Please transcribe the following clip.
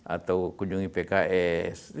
atau kunjungi pks